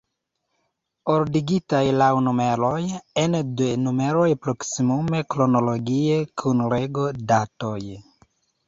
Ordigitaj laŭ numeroj; ene de numeroj proksimume kronologie; kun rego-datoj.